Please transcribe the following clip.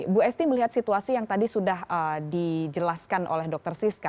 bu esti melihat situasi yang tadi sudah dijelaskan oleh dr siska